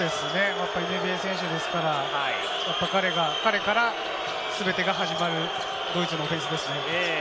ＮＢＡ選手ですから、彼から全てが始まるドイツのオフェンスです。